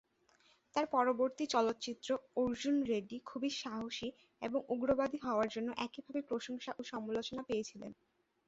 তাঁর পরবর্তী চলচ্চিত্র "অর্জুন রেড্ডি" খুব সাহসী এবং উগ্রবাদী হওয়ার জন্য একইভাবে প্রশংসা ও সমালোচনা পেয়েছিলেন।